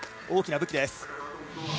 大きな武器です。